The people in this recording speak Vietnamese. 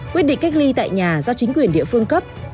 quyết định cách ly tại nhà do chính quyền địa phương cấp